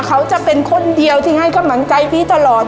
เขาจะเป็นคนเดียวที่ให้กำลังใจพี่ตลอด